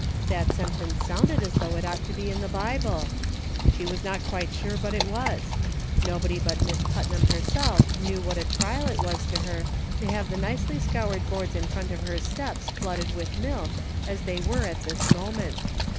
''" That sentence sounded as though it ought to be in the Bible ; she was not quite sure but it was ; nobody but Miss Putnam herself knew what a trial it was to her to have the nicely scoured boards in front of her steps flooded with milk, as they were at this moment.